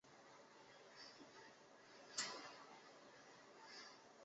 新店好像蛮多地方停电了